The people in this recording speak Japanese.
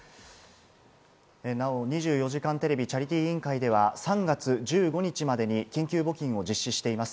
なお、２４時間テレビチャリティー委員会では３月１５日までに緊急募金を実施しています。